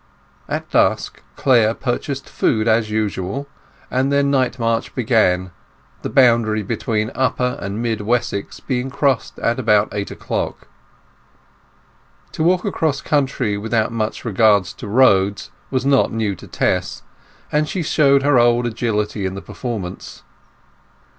At dusk Clare purchased food as usual, and their night march began, the boundary between Upper and Mid Wessex being crossed about eight o'clock. To walk across country without much regard to roads was not new to Tess, and she showed her old agility in the performance.